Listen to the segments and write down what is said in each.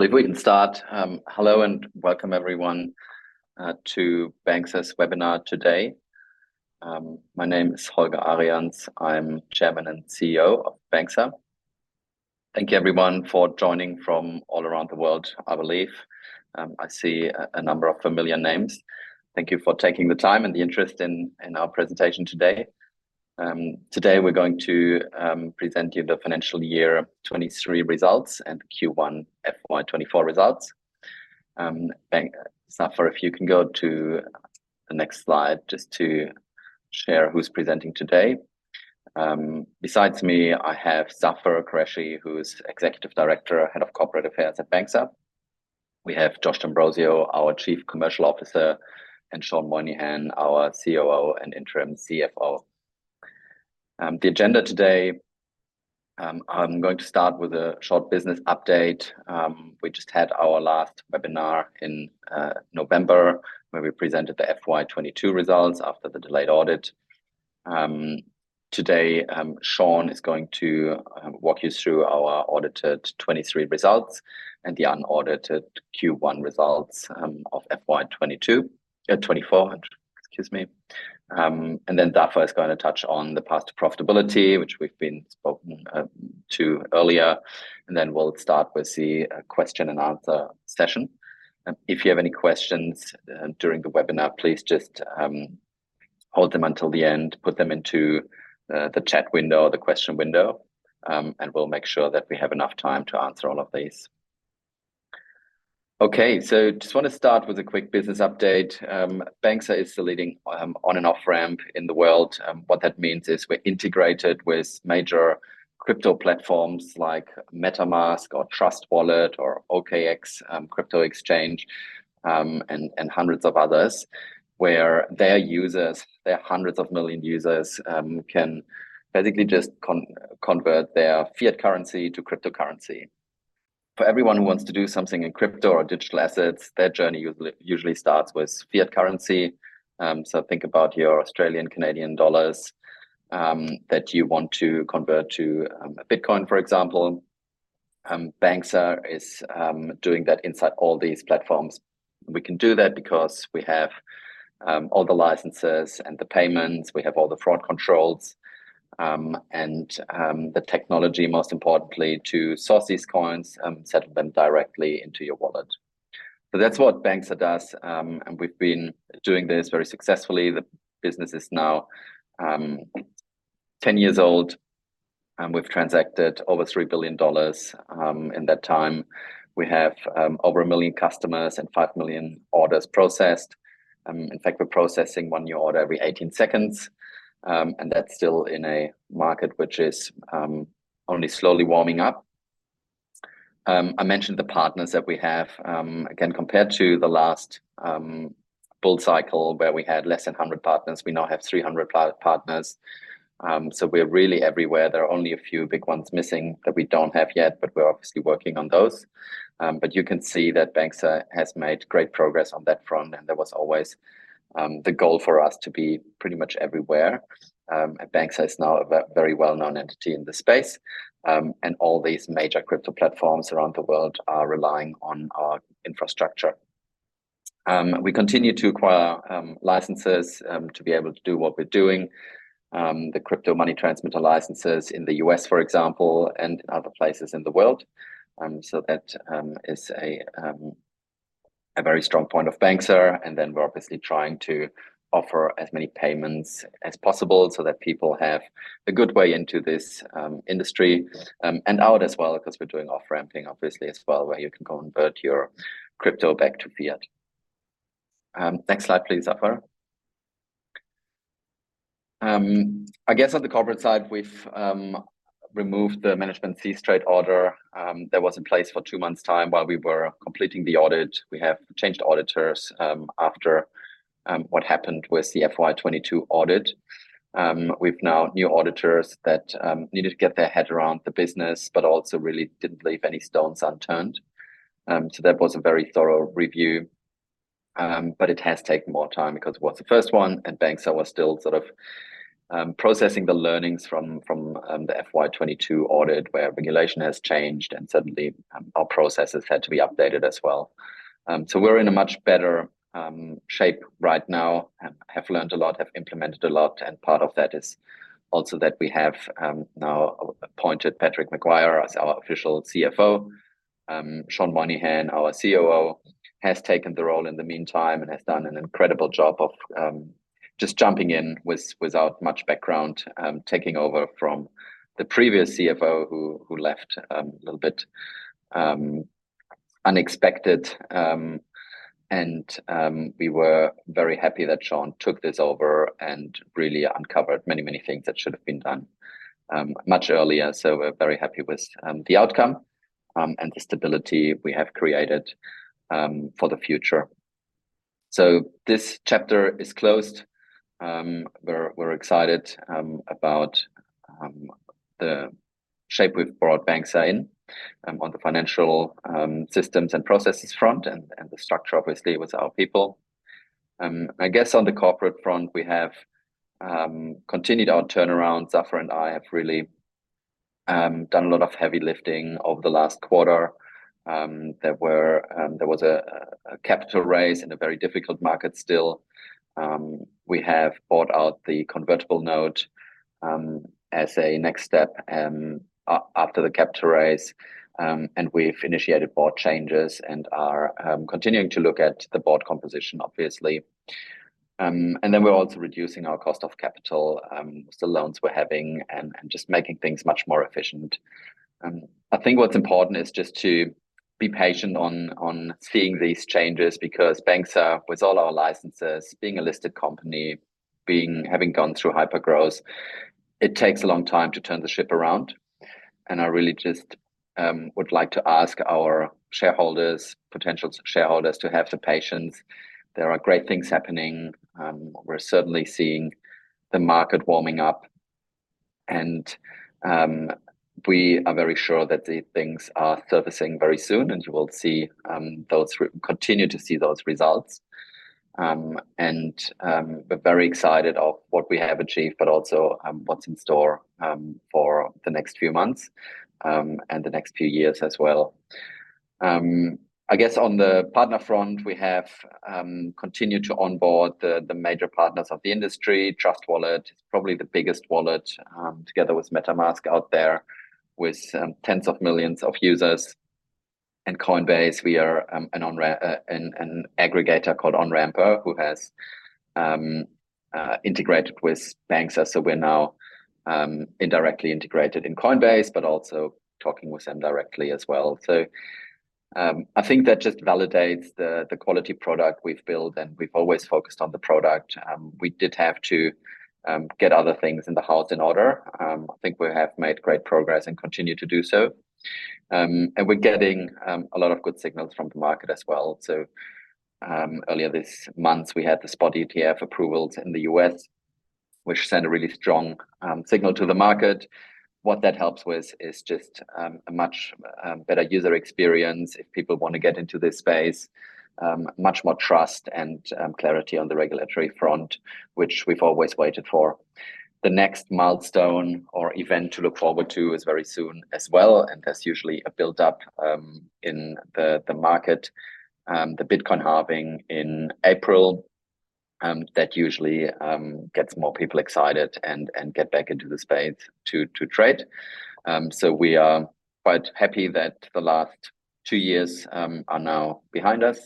I believe we can start. Hello, and welcome everyone to Banxa's webinar today. My name is Holger Arians. I'm Chairman and CEO of Banxa. Thank you everyone for joining from all around the world, I believe. I see a number of familiar names. Thank you for taking the time and the interest in our presentation today. Today we're going to present you the financial year 2023 results and Q1 FY 2024 results. Thank you. Zafer, if you can go to the next slide just to share who's presenting today. Besides me, I have Zafer Qureshi, who's Executive Director, Head of Corporate Affairs at Banxa. We have Josh D'Ambrosio, our Chief Commercial Officer, and Sean Moynihan, our COO and Interim CFO. The agenda today, I'm going to start with a short business update. We just had our last webinar in November, where we presented the FY 2022 results after the delayed audit. Today, Sean is going to walk you through our audited 2023 results and the unaudited Q1 results of FY 2022, 2024, excuse me. And then Zafer is going to touch on the path to profitability, which we've been spoken to earlier, and then we'll start with the question and answer session. If you have any questions during the webinar, please just hold them until the end, put them into the chat window or the question window, and we'll make sure that we have enough time to answer all of these. Okay, so just wanna start with a quick business update. Banxa is the leading on and off-ramp in the world. What that means is we're integrated with major crypto platforms like MetaMask or Trust Wallet or OKX, crypto exchange, and hundreds of others, where their users, their hundreds of million users, can basically just convert their fiat currency to cryptocurrency. For everyone who wants to do something in crypto or digital assets, their journey usually starts with fiat currency. So think about your Australian dollars, Canadian dollars, that you want to convert to Bitcoin, for example. Banxa is doing that inside all these platforms. We can do that because we have all the licenses and the payments, we have all the fraud controls, and the technology, most importantly, to source these coins, and settle them directly into your wallet. So that's what Banxa does, and we've been doing this very successfully. The business is now 10 years old, and we've transacted over $3 billion in that time. We have over 1 million customers and 5 million orders processed. In fact, we're processing 1 new order every 18 seconds, and that's still in a market which is only slowly warming up. I mentioned the partners that we have. Again, compared to the last bull cycle, where we had less than 100 partners, we now have 300 partners. So we're really everywhere. There are only a few big ones missing that we don't have yet, but we're obviously working on those. But you can see that Banxa has made great progress on that front, and that was always the goal for us to be pretty much everywhere. And Banxa is now a very well-known entity in this space, and all these major crypto platforms around the world are relying on our infrastructure. We continue to acquire licenses to be able to do what we're doing. The crypto money transmitter licenses in the U.S., for example, and other places in the world. So that is a very strong point of Banxa, and then we're obviously trying to offer as many payments as possible so that people have a good way into this industry, and out as well, 'cause we're doing off-ramping obviously as well, where you can convert your crypto back to fiat. Next slide, please, Zafer. I guess on the corporate side, we've removed the Management Cease Trade Order that was in place for two months' time while we were completing the audit. We have changed auditors after what happened with the FY 2022 audit. We've now new auditors that needed to get their head around the business, but also really didn't leave any stones unturned. So that was a very thorough review, but it has taken more time because it was the first one, and Banxa was still sort of processing the learnings from the FY 2022 audit, where regulation has changed and suddenly our processes had to be updated as well. So we're in a much better shape right now and have learned a lot, have implemented a lot, and part of that is also that we have now appointed Patrick Maguire as our official CFO. Sean Moynihan, our COO, has taken the role in the meantime and has done an incredible job of just jumping in without much background, taking over from the previous CFO, who left a little bit unexpected. We were very happy that Sean took this over and really uncovered many, many things that should have been done much earlier. So we're very happy with the outcome and the stability we have created for the future. So this chapter is closed. We're excited about the shape we've brought Banxa in on the financial systems and processes front and the structure, obviously, with our people. I guess on the corporate front, we have continued our turnaround. Zafer and I have really done a lot of heavy lifting over the last quarter. There was a capital raise in a very difficult market still. We have bought out the convertible note as a next step after the capital raise, and we've initiated board changes, and are continuing to look at the board composition, obviously. And then we're also reducing our cost of capital, the loans we're having, and just making things much more efficient. I think what's important is just to be patient on seeing these changes, because Banxa, with all our licenses, being a listed company, having gone through hypergrowth, it takes a long time to turn the ship around. And I really just would like to ask our shareholders, potential shareholders, to have the patience. There are great things happening, we're certainly seeing the market warming up, and we are very sure that the things are servicing very soon, and you will continue to see those results. And we're very excited of what we have achieved, but also what's in store for the next few months, and the next few years as well. I guess on the partner front, we have continued to onboard the major partners of the industry. Trust Wallet is probably the biggest wallet, together with MetaMask out there, with tens of millions of users. And Coinbase, we're on an aggregator called Onramper, who has integrated with Banxa, so we're now indirectly integrated in Coinbase, but also talking with them directly as well. So, I think that just validates the quality product we've built, and we've always focused on the product. We did have to get other things in the house in order. I think we have made great progress, and continue to do so. And we're getting a lot of good signals from the market as well. So, earlier this month, we had the Spot ETF approvals in the U.S., which sent a really strong signal to the market. What that helps with is just a much better user experience if people wanna get into this space. Much more trust and clarity on the regulatory front, which we've always waited for. The next milestone or event to look forward to is very soon as well, and there's usually a build-up in the market. The Bitcoin halving in April that usually gets more people excited and get back into the space to trade. So we are quite happy that the last two years are now behind us,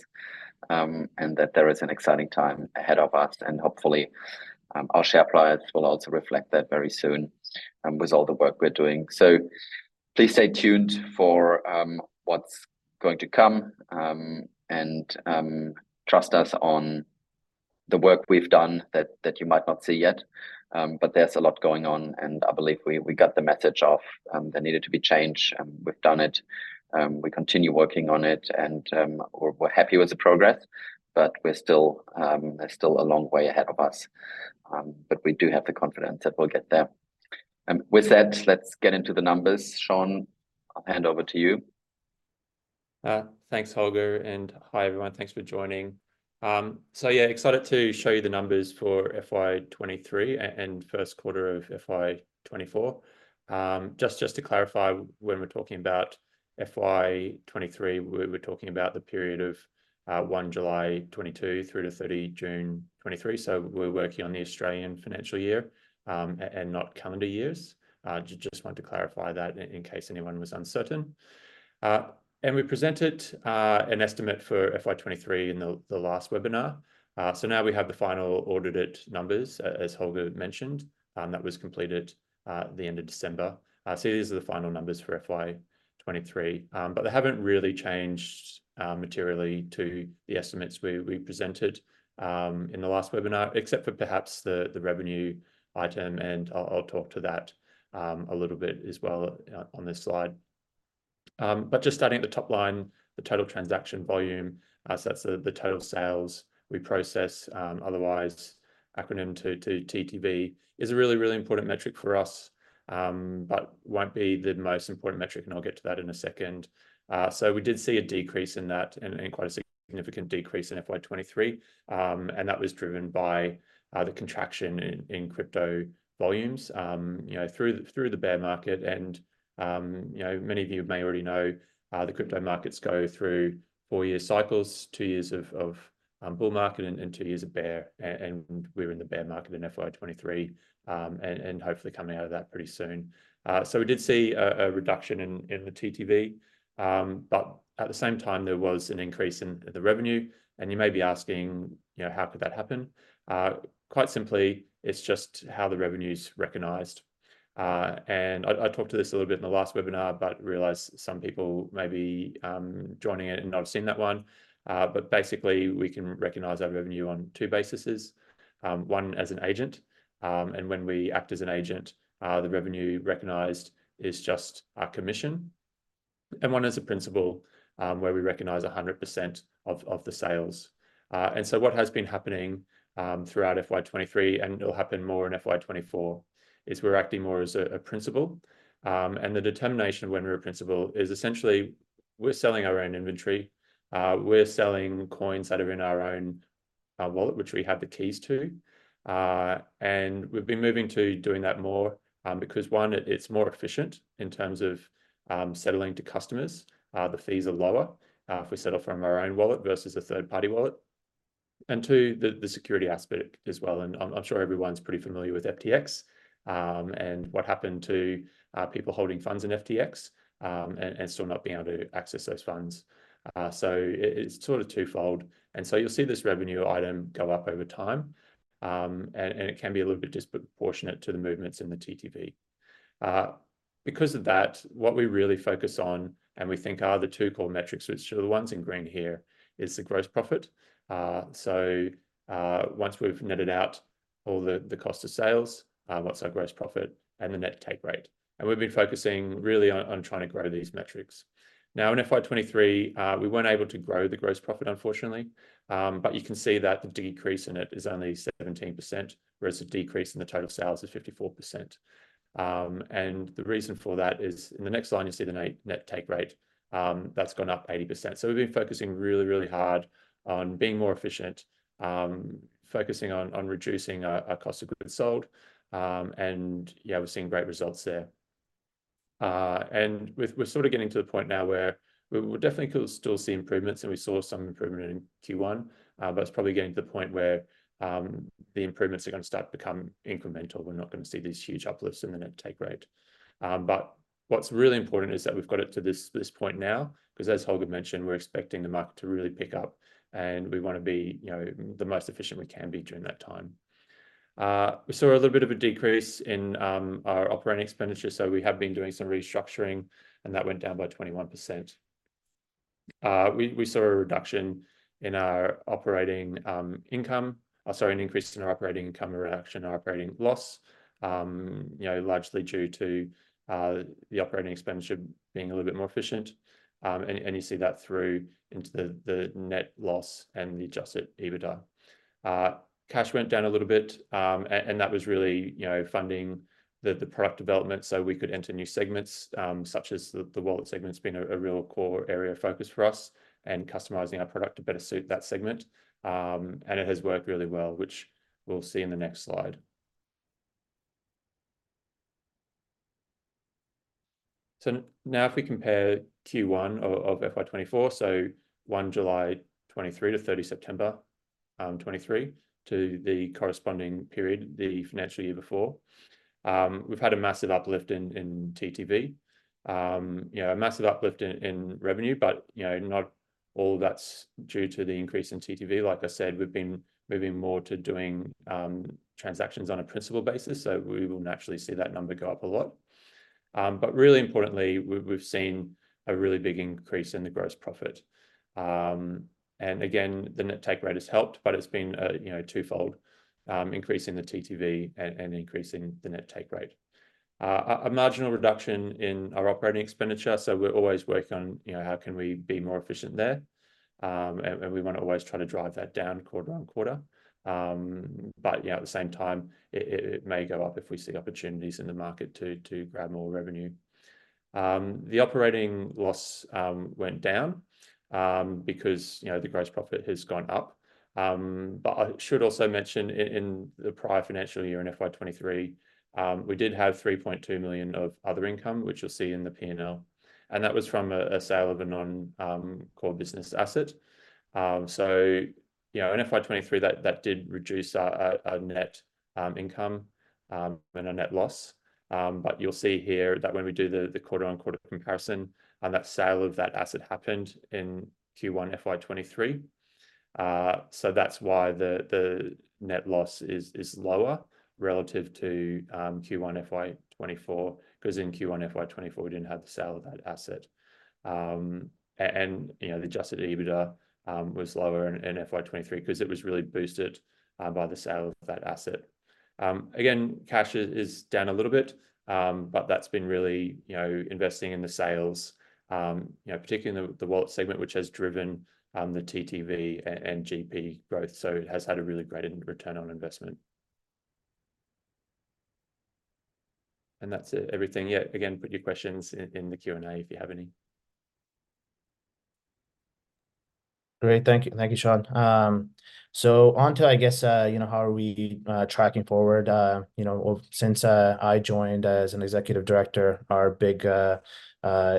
and that there is an exciting time ahead of us, and hopefully our share price will also reflect that very soon, with all the work we're doing. So please stay tuned for what's going to come, and trust us on the work we've done that you might not see yet. But there's a lot going on, and I believe we got the message of there needed to be change, and we've done it. We continue working on it, and we're happy with the progress, but we're still, there's still a long way ahead of us. But we do have the confidence that we'll get there. And with that, let's get into the numbers. Sean, I'll hand over to you. Thanks, Holger, and hi, everyone. Thanks for joining. So yeah, excited to show you the numbers for FY 2023 and first quarter of FY 2024. Just to clarify, when we're talking about FY 2023, we're talking about the period of 1 July 2022 through to 30 June 2023, so we're working on the Australian financial year and not calendar years. Just wanted to clarify that in case anyone was uncertain. We presented an estimate for FY 2023 in the last webinar. Now we have the final audited numbers as Holger mentioned, that was completed the end of December. These are the final numbers for FY 2023. But they haven't really changed materially to the estimates we presented in the last webinar, except for perhaps the revenue item, and I'll talk to that a little bit as well on this slide. But just starting at the top line, the total transaction volume, so that's the total sales we process, otherwise acronym to TTV, is a really, really important metric for us, but won't be the most important metric, and I'll get to that in a second. So we did see a decrease in that, and quite a significant decrease in FY 2023, and that was driven by the contraction in crypto volumes. You know, through the bear market and, you know, many of you may already know, the crypto markets go through four-year cycles, two years of bull market and two years of bear, and we were in the bear market in FY 2023, and hopefully coming out of that pretty soon. So we did see a reduction in the TTV, but at the same time, there was an increase in the revenue, and you may be asking, you know, "How could that happen?" Quite simply, it's just how the revenue's recognized. And I talked through this a little bit in the last webinar, but realized some people may be joining in and not seen that one. But basically, we can recognize our revenue on two bases. One as an agent, and when we act as an agent, the revenue recognized is just our commission, and one as a principal, where we recognize 100% of the sales. So what has been happening throughout FY 2023, and it'll happen more in FY 2024, is we're acting more as a principal. The determination when we're a principal is essentially we're selling our own inventory. We're selling coins that are in our own wallet, which we have the keys to. We've been moving to doing that more, because one, it's more efficient in terms of settling to customers. The fees are lower if we settle from our own wallet versus a third-party wallet. And two, the security aspect as well, and I'm sure everyone's pretty familiar with FTX, and what happened to people holding funds in FTX, and still not being able to access those funds. So it's sort of twofold, and so you'll see this revenue item go up over time. And it can be a little bit disproportionate to the movements in the TTV. Because of that, what we really focus on, and we think are the two core metrics, which are the ones in green here, is the gross profit. So once we've netted out all the cost of sales, what's our gross profit and the net take rate? And we've been focusing really on trying to grow these metrics. Now, in FY 2023, we weren't able to grow the gross profit, unfortunately. But you can see that the decrease in it is only 17%, whereas the decrease in the total sales is 54%. And the reason for that is in the next line, you'll see the net take rate, that's gone up 80%. So we've been focusing really, really hard on being more efficient, focusing on reducing our cost of goods sold. And yeah, we're seeing great results there. And we're sort of getting to the point now where we, we'll definitely still see improvements, and we saw some improvement in Q1. But it's probably getting to the point where the improvements are gonna start to become incremental. We're not gonna see these huge uplifts in the net take rate. But what's really important is that we've got it to this point now, 'cause as Holger mentioned, we're expecting the market to really pick up, and we wanna be, you know, the most efficient we can be during that time. We saw a little bit of a decrease in our operating expenditure, so we have been doing some restructuring, and that went down by 21%. We saw a reduction in our operating income—sorry, an increase in our operating income and a reduction in our operating loss. You know, largely due to the operating expenditure being a little bit more efficient. And you see that through into the net loss and the Adjusted EBITDA. Cash went down a little bit, and that was really, you know, funding the product development, so we could enter new segments, such as the wallet segment's been a real core area of focus for us, and customizing our product to better suit that segment. And it has worked really well, which we'll see in the next slide. So now if we compare Q1 of FY 2024, so 1 July 2023 to 30 September 2023, to the corresponding period, the financial year before, we've had a massive uplift in TTV. You know, a massive uplift in revenue, but, you know, not all that's due to the increase in TTV. Like I said, we've been moving more to doing transactions on a principal basis, so we will naturally see that number go up a lot. But really importantly, we've seen a really big increase in the gross profit. And again, the net take rate has helped, but it's been a you know, twofold increase in the TTV and increase in the net take rate. A marginal reduction in our operating expenditure, so we're always working on, you know, how can we be more efficient there? And we want to always try to drive that down quarter on quarter. But yeah, at the same time, it may go up if we see opportunities in the market to grab more revenue. The operating loss went down because, you know, the gross profit has gone up. I should also mention in the prior financial year, in FY 2023, we did have 3.2 million of other income, which you'll see in the P&L, and that was from a sale of a non-core business asset. So, you know, in FY 2023, that did reduce our net income and our net loss. But you'll see here that when we do the quarter-on-quarter comparison, and that sale of that asset happened in Q1 FY 2023, so that's why the net loss is lower relative to Q1 FY 2024, 'cause in Q1 FY 2024, we didn't have the sale of that asset. And, you know, the Adjusted EBITDA was lower in FY 2023, 'cause it was really boosted by the sale of that asset. Again, cash is down a little bit, but that's been really, you know, investing in the sales, you know, particularly in the wallet segment, which has driven the TTV and GP growth, so it has had a really great return on investment. And that's everything. Yeah, again, put your questions in the Q&A if you have any. Great. Thank you. Thank you, Sean. So on to, I guess, you know, how are we tracking forward? You know, well, since I joined as an Executive Director, our big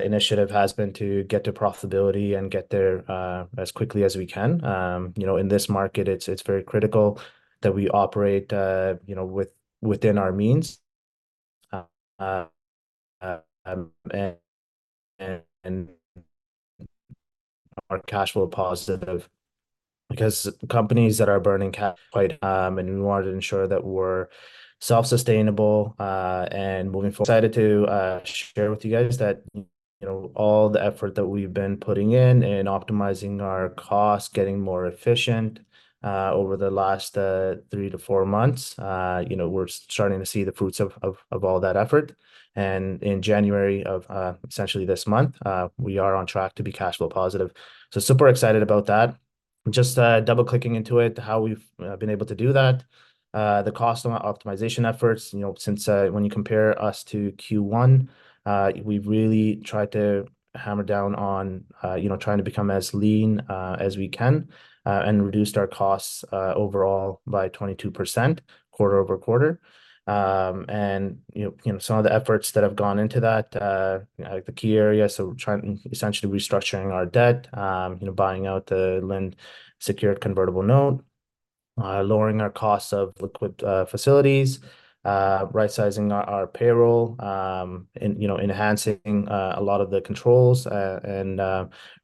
initiative has been to get to profitability and get there as quickly as we can. You know, in this market, it's very critical that we operate, you know, within our means and are cash flow positive, because companies that are burning cash quite. We want to ensure that we're self-sustainable and moving forward. Excited to share with you guys that, you know, all the effort that we've been putting in optimizing our costs, getting more efficient over the last 3-4 months, you know, we're starting to see the fruits of all that effort. In January of, essentially this month, we are on track to be cash flow positive. Super excited about that. Just, double-clicking into it, how we've been able to do that, the cost optimization efforts. You know, since, when you compare us to Q1, we've really tried to hammer down on, you know, trying to become as lean, as we can, and reduced our costs, overall by 22% quarter-over-quarter. You know, you know, some of the efforts that have gone into that, like the key areas, so we're trying essentially restructuring our debt, you know, buying out the Lind secured convertible note, lowering our costs of liquid facilities, right-sizing our payroll, and, you know, enhancing a lot of the controls, and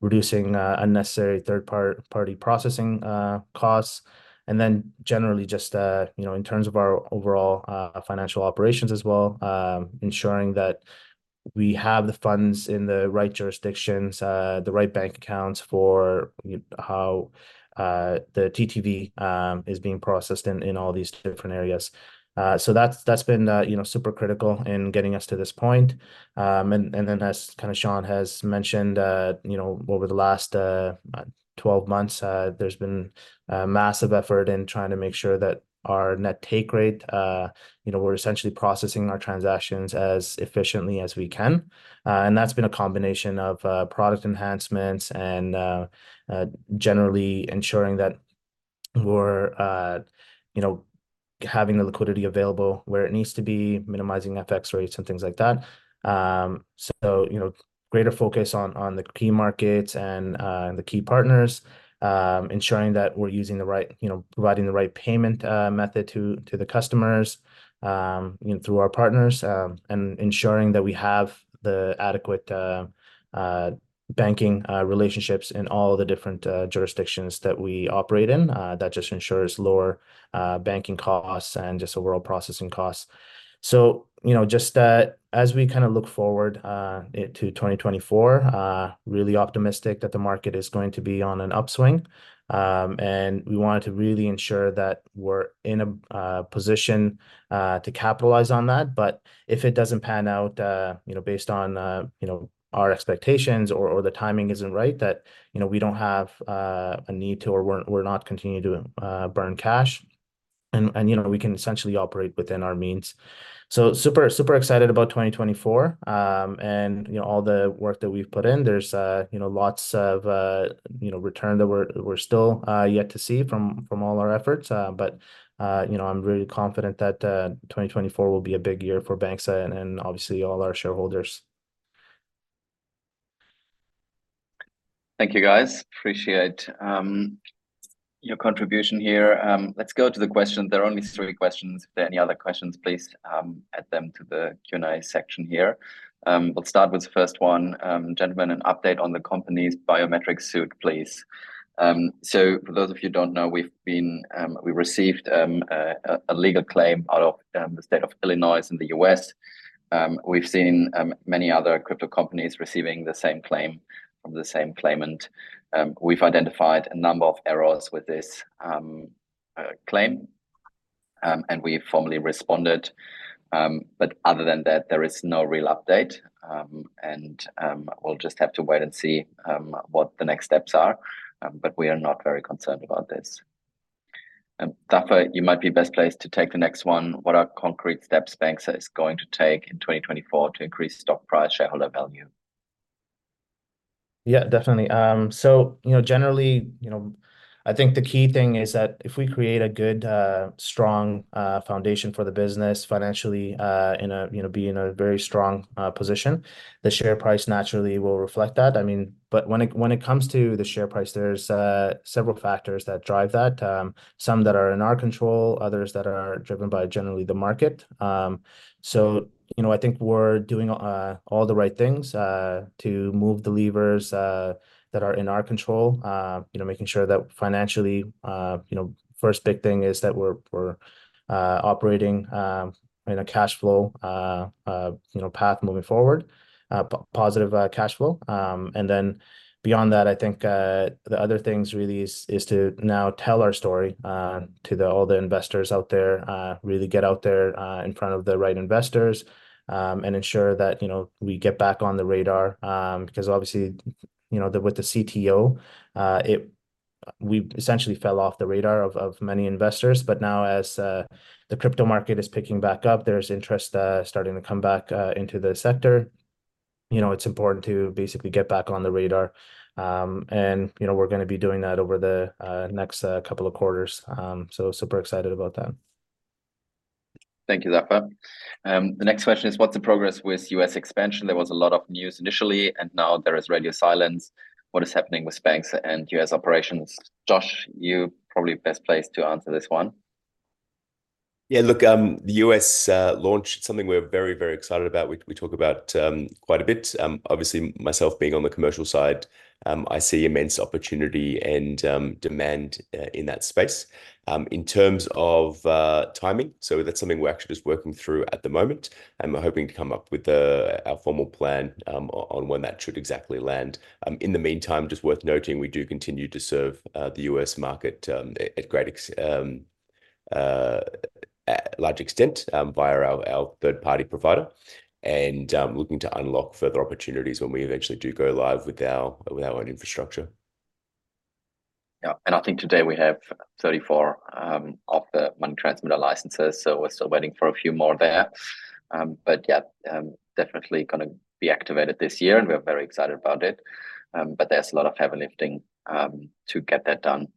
reducing unnecessary third-party processing costs. And then generally, just you know, in terms of our overall financial operations as well, ensuring that we have the funds in the right jurisdictions, the right bank accounts for you know, how the TTV is being processed in all these different areas. So that's, that's been you know, super critical in getting us to this point. And then, as kind of Sean has mentioned, you know, over the last 12 months, there's been a massive effort in trying to make sure that our net take rate, you know, we're essentially processing our transactions as efficiently as we can. And that's been a combination of product enhancements and generally ensuring that we're, you know, having the liquidity available where it needs to be, minimizing FX rates and things like that. So, you know, greater focus on the key markets and the key partners. Ensuring that we're using the right, you know, providing the right payment method to the customers, you know, through our partners, and ensuring that we have the adequate banking relationships in all the different jurisdictions that we operate in. That just ensures lower banking costs and just overall processing costs. So, you know, just that as we kind of look forward to 2024, really optimistic that the market is going to be on an upswing. And we wanted to really ensure that we're in a position to capitalize on that. But if it doesn't pan out, you know, based on you know, our expectations or the timing isn't right, that you know, we don't have a need to, or we're not continuing to burn cash and you know, we can essentially operate within our means. So super, super excited about 2024. You know, all the work that we've put in, there's you know, lots of you know, return that we're still yet to see from all our efforts. But you know, I'm really confident that 2024 will be a big year for Banxa and obviously all our shareholders. Thank you, guys. Appreciate, your contribution here. Let's go to the questions. There are only three questions. If there are any other questions, please, add them to the Q&A section here. We'll start with the first one. "Gentlemen, an update on the company's biometric suit, please." So for those of you who don't know, we received a legal claim out of the state of Illinois in the U.S. We've seen many other crypto companies receiving the same claim from the same claimant. We've identified a number of errors with this claim, and we formally responded. But other than that, there is no real update. And we'll just have to wait and see what the next steps are. But we are not very concerned about this. Zafer, you might be best placed to take the next one. "What are concrete steps Banxa is going to take in 2024 to increase stock price, shareholder value? Yeah, definitely. So, you know, generally, you know, I think the key thing is that if we create a good, strong, foundation for the business financially, in a, you know, be in a very strong, position, the share price naturally will reflect that. I mean, but when it, when it comes to the share price, there's, several factors that drive that. Some that are in our control, others that are driven by generally the market. So, you know, I think we're doing, all the right things, to move the levers, that are in our control. You know, making sure that financially, you know, first big thing is that we're, we're, operating, in a cash flow, you know, path moving forward, positive, cash flow. And then beyond that, I think the other things really is to now tell our story to all the investors out there. Really get out there in front of the right investors, and ensure that, you know, we get back on the radar. Because obviously, you know, the with the CTO, it we essentially fell off the radar of many investors. But now as the crypto market is picking back up, there's interest starting to come back into the sector. You know, it's important to basically get back on the radar. And, you know, we're gonna be doing that over the next couple of quarters. So super excited about that. Thank you, Zafer. The next question is, "What's the progress with U.S. expansion? There was a lot of news initially, and now there is radio silence. What is happening with Banxa and U.S. operations?" Josh, you're probably best placed to answer this one. Yeah, look, the U.S. launch is something we're very, very excited about. We talk about quite a bit. Obviously, myself being on the commercial side, I see immense opportunity and demand in that space. In terms of timing, that's something we're actually just working through at the moment, and we're hoping to come up with our formal plan on when that should exactly land. In the meantime, just worth noting, we do continue to serve the U.S. market at a large extent via our third-party provider, and looking to unlock further opportunities when we eventually do go live with our own infrastructure. Yeah, and I think today we have 34 of the money transmitter licenses, so we're still waiting for a few more there. But yeah, definitely gonna be activated this year, and we're very excited about it. But there's a lot of heavy lifting to get that done.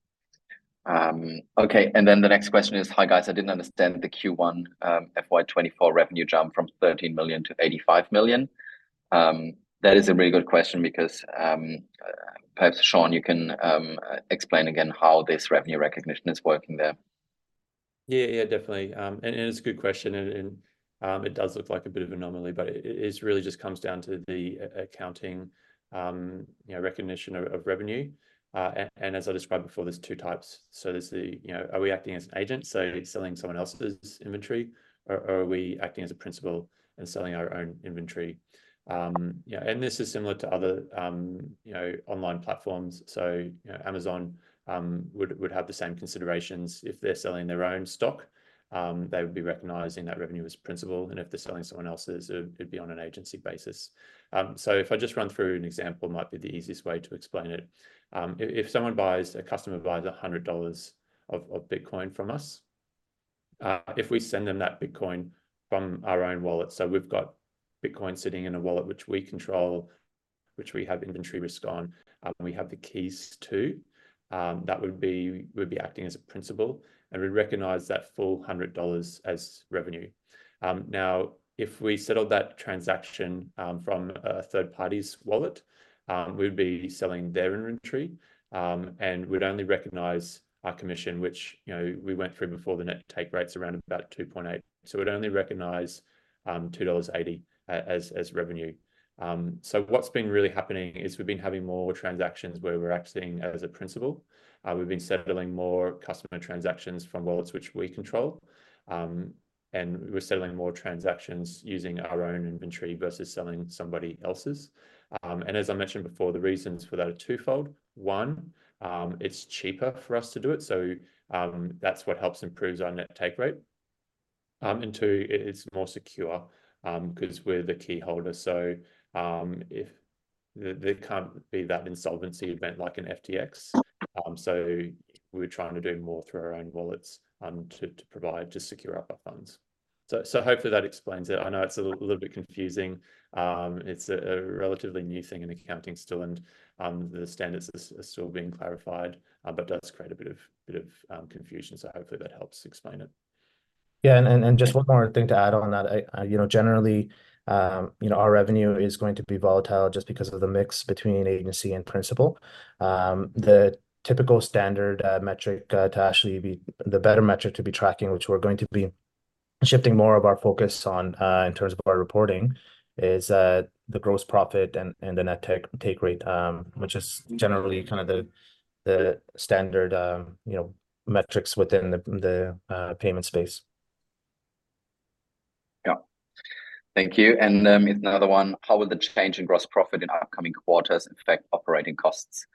Okay, and then the next question is, "Hi, guys, I didn't understand the Q1 FY 2024 revenue jump from 13 million to 85 million." That is a very good question because, perhaps, Sean, you can explain again how this revenue recognition is working there. Yeah, yeah, definitely. And it's a good question, and it does look like a bit of an anomaly, but it really just comes down to the accounting, you know, recognition of revenue. And as I described before, there's two types. So there's the, you know, are we acting as an agent, so selling someone else's inventory, or are we acting as a principal and selling our own inventory? Yeah, and this is similar to other, you know, online platforms. So, you know, Amazon would have the same considerations. If they're selling their own stock, they would be recognizing that revenue as principal, and if they're selling someone else's, it'd be on an agency basis. So if I just run through an example, might be the easiest way to explain it. If a customer buys $100 of Bitcoin from us, if we send them that Bitcoin from our own wallet, so we've got Bitcoin sitting in a wallet which we control, which we have inventory risk on, and we have the keys to, that would be, we'd be acting as a principal, and we'd recognize that full $100 as revenue. Now, if we settled that transaction from a third party's wallet, we'd be selling their inventory, and we'd only recognize our commission, which, you know, we went through before the net take rate's around about 2.8%. So we'd only recognize $2.80 as revenue. So what's been really happening is we've been having more transactions where we're acting as a principal. We've been settling more customer transactions from wallets which we control, and we're settling more transactions using our own inventory versus selling somebody else's. And as I mentioned before, the reasons for that are twofold. One, it's cheaper for us to do it, so that's what helps improves our net take rate. And two, it's more secure, 'cause we're the key holder, so if there can't be that insolvency event like in FTX. So we're trying to do more through our own wallets to provide, to secure up our funds. So hopefully that explains it. I know it's a little bit confusing. It's a relatively new thing in accounting still, and the standards are still being clarified, but it does create a bit of confusion, so hopefully that helps explain it. Yeah, and just one more thing to add on that. I, you know, generally, you know, our revenue is going to be volatile just because of the mix between agent and principal. The typical standard metric to be tracking, which we're going to be shifting more of our focus on in terms of our reporting, is the gross profit and the net take rate, which is generally kind of the standard, you know, metrics within the payment space. Yeah. Thank you, and here's another one: 'How will the change in gross profit in upcoming quarters affect operating costs?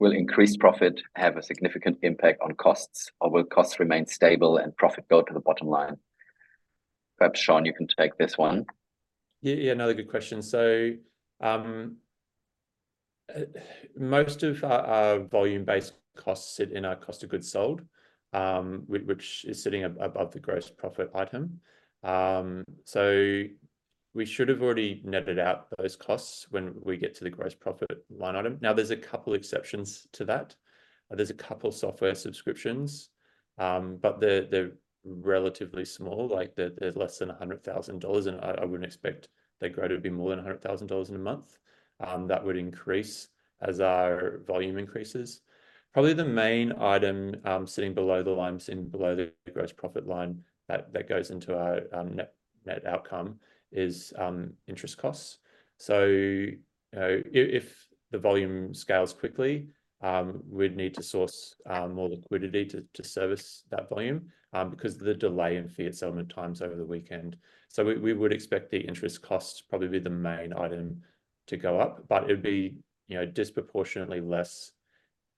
Will increased profit have a significant impact on costs, or will costs remain stable and profit go to the bottom line?' Perhaps, Sean, you can take this one. Yeah, yeah, another good question. So, most of our, our volume-based costs sit in our cost of goods sold, which is sitting above the gross profit item. So we should have already netted out those costs when we get to the gross profit line item. Now, there's a couple exceptions to that, and there's a couple software subscriptions, but they're, they're relatively small, like, they're, they're less than 100,000 dollars, and I, I wouldn't expect their growth to be more than 100,000 dollars in a month. That would increase as our volume increases. Probably the main item, sitting below the line, sitting below the gross profit line, that, that goes into our, net outcome is, interest costs. So, you know, if the volume scales quickly, we'd need to source more liquidity to service that volume because of the delay in fiat settlement times over the weekend. So we would expect the interest costs to probably be the main item to go up, but it would be, you know, disproportionately less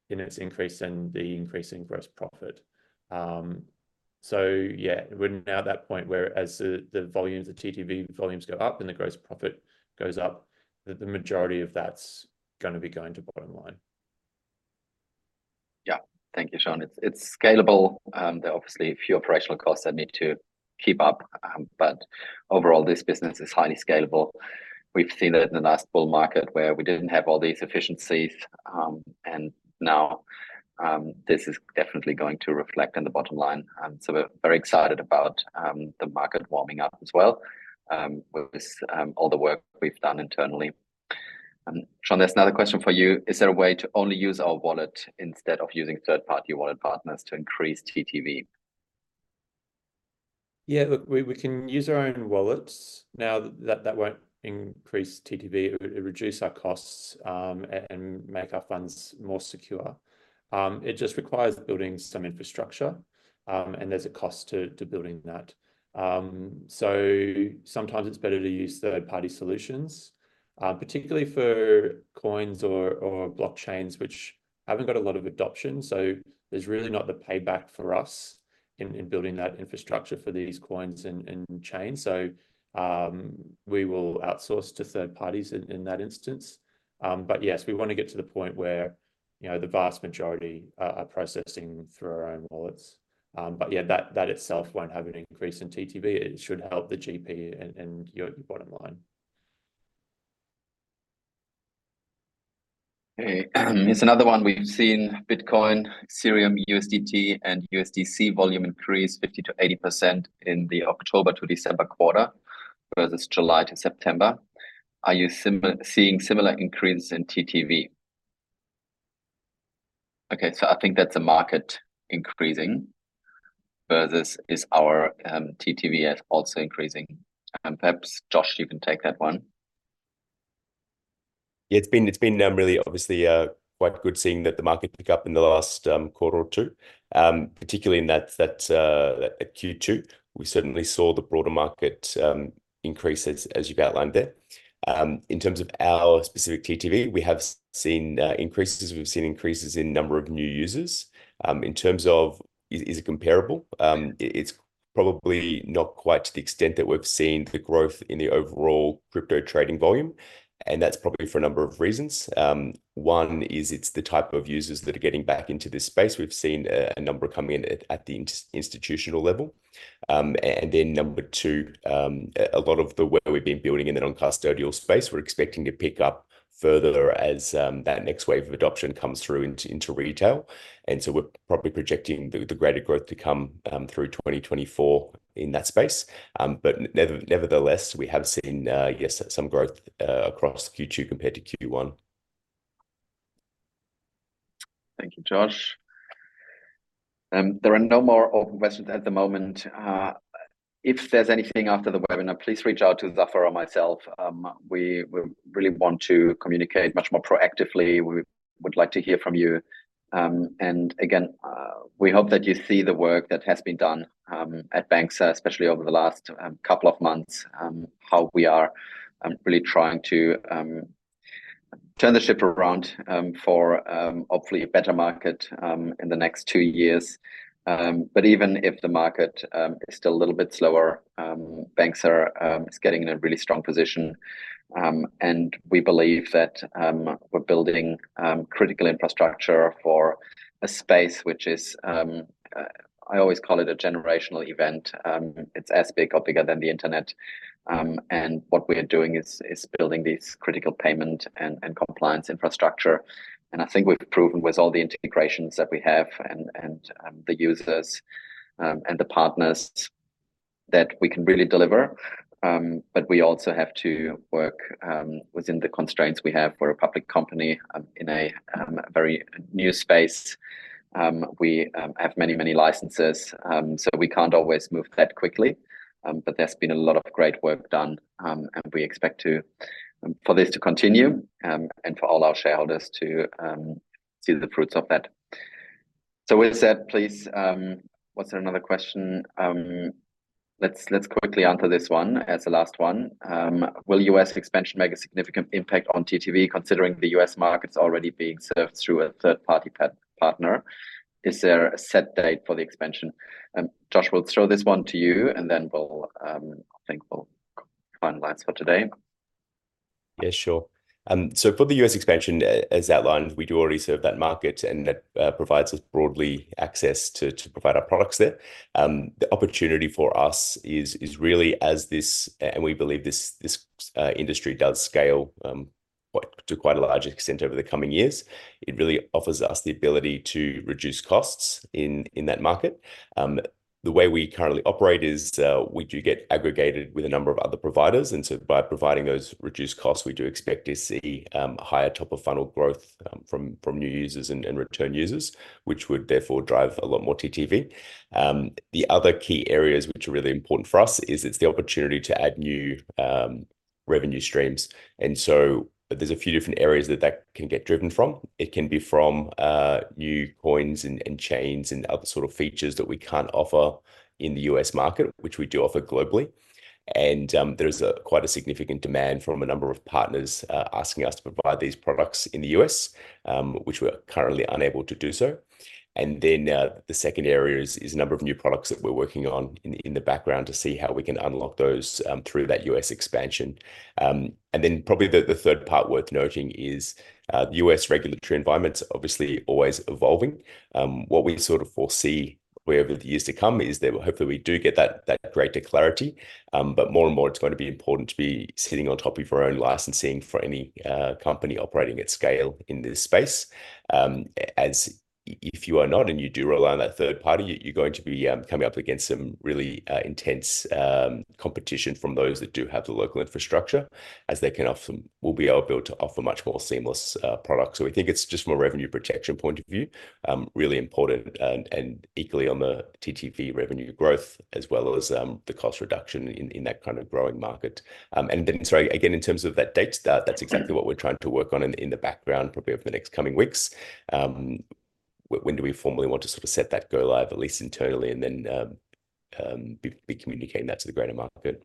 in its increase than the increase in gross profit. So yeah, we're now at that point where as the volumes, the TTV volumes go up and the gross profit goes up, the majority of that's gonna be going to bottom line. Yeah. Thank you, Sean. It's, it's scalable. There are obviously a few operational costs that need to keep up, but overall, this business is highly scalable. We've seen it in the last bull market where we didn't have all these efficiencies, and now, this is definitely going to reflect in the bottom line. So we're very excited about, the market warming up as well, with this, all the work we've done internally. Sean, there's another question for you: "Is there a way to only use our wallet instead of using third-party wallet partners to increase TTV? Yeah, look, we can use our own wallets. Now, that won't increase TTV, it would reduce our costs, and make our funds more secure. It just requires building some infrastructure, and there's a cost to building that. So sometimes it's better to use third-party solutions, particularly for coins or blockchains which haven't got a lot of adoption, so there's really not the payback for us in building that infrastructure for these coins and chains. So we will outsource to third parties in that instance. But yes, we wanna get to the point where, you know, the vast majority are processing through our own wallets. But yeah, that itself won't have an increase in TTV, it should help the GP and your bottom line. Here's another one. We've seen Bitcoin, Ethereum, USDT, and USDC volume increase 50%-80% in the October to December quarter, versus July to September. Are you seeing similar increases in TTV? Okay, so I think that's the market increasing, versus is our TTV also increasing? Perhaps Josh, you can take that one. Yeah, it's been really obviously quite good seeing that the market pick up in the last quarter or two. Particularly in that Q2, we certainly saw the broader market increase, as you've outlined there. In terms of our specific TTV, we have seen increases, we've seen increases in number of new users. In terms of, is it comparable? It's probably not quite to the extent that we've seen the growth in the overall crypto trading volume, and that's probably for a number of reasons. One is, it's the type of users that are getting back into this space. We've seen a number come in at the institutional level. And then number 2, a lot of the work we've been building in the non-custodial space, we're expecting to pick up further as that next wave of adoption comes through into retail. And so we're probably projecting the greater growth to come through 2024 in that space. But nevertheless, we have seen, yes, some growth across Q2 compared to Q1. Thank you, Josh. There are no more open questions at the moment. If there's anything after the webinar, please reach out to Zafer or myself. We really want to communicate much more proactively. We would like to hear from you. And again, we hope that you see the work that has been done at Banxa, especially over the last couple of months, how we are really trying to turn the ship around for hopefully a better market in the next two years. But even if the market is still a little bit slower, Banxa is getting in a really strong position. And we believe that we're building critical infrastructure for a space, which is, I always call it a generational event. It's as big or bigger than the Internet. And what we are doing is building this critical payment and compliance infrastructure, and I think we've proven with all the integrations that we have and the users and the partners that we can really deliver. But we also have to work within the constraints we have for a public company in a very new space. We have many, many licenses, so we can't always move that quickly. But there's been a lot of great work done, and we expect for this to continue, and for all our shareholders to see the fruits of that. So with that, please... What's another question? Let's quickly answer this one as the last one. Will U.S. expansion make a significant impact on TTV, considering the U.S. market is already being served through a third-party partner? Is there a set date for the expansion? Josh, we'll throw this one to you, and then we'll, I think we'll finalise for today. Yeah, sure. So for the U.S. expansion, as outlined, we do already serve that market, and that provides us broadly access to provide our products there. The opportunity for us is really, and we believe this industry does scale quite to quite a large extent over the coming years. It really offers us the ability to reduce costs in that market. The way we currently operate is we do get aggregated with a number of other providers, and so by providing those reduced costs, we do expect to see higher top-of-funnel growth from new users and return users, which would therefore drive a lot more TTV. The other key areas which are really important for us is it's the opportunity to add new revenue streams. And so there's a few different areas that that can get driven from. It can be from new coins and chains and other sort of features that we can't offer in the U.S. market, which we do offer globally. And there is quite a significant demand from a number of partners asking us to provide these products in the U.S., which we're currently unable to do so. And then the second area is a number of new products that we're working on in the background, to see how we can unlock those through that U.S. expansion. And then probably the third part worth noting is the U.S. regulatory environment is obviously always evolving. What we sort of foresee over the years to come is that hopefully we do get that greater clarity. But more and more, it's gonna be important to be sitting on top of our own licensing for any company operating at scale in this space. If you are not, and you do rely on that third party, you're going to be coming up against some really intense competition from those that do have the local infrastructure, as they can offer, will be well built to offer a much more seamless product. So we think it's just from a revenue protection point of view, really important, and equally on the TTV revenue growth, as well as the cost reduction in that kind of growing market. And then, sorry, again, in terms of that date start, that's exactly what we're trying to work on in the background, probably over the next coming weeks. When do we formally want to sort of set that go live, at least internally, and then be communicating that to the greater market?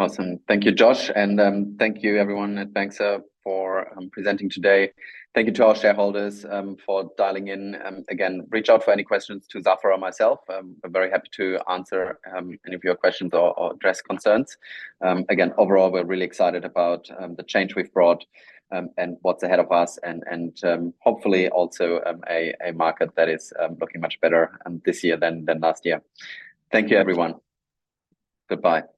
Awesome. Thank you, Josh, and thank you everyone at Banxa for presenting today. Thank you to our shareholders for dialing in. Again, reach out for any questions to Zafer or myself. I'm very happy to answer any of your questions or address concerns. Again, overall, we're really excited about the change we've brought and what's ahead of us, and hopefully also a market that is looking much better this year than last year. Thank you, everyone. Goodbye.